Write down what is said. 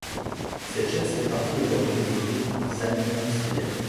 Cette chaise fait partie aujourd'hui des objets du design industriel.